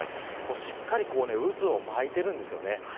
しっかりと渦を巻いています。